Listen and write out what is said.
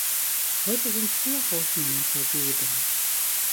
Heute sind vier Hausnummern vergeben.